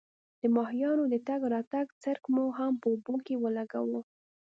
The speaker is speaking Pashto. د ماهیانو د تګ راتګ څرک مو هم په اوبو کې ولګاوه.